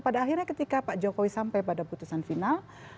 pada akhirnya ketika pak jokowi sampai pada putusan final